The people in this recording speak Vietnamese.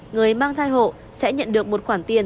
người mang thai hộ sẽ nhận được một khoản tiền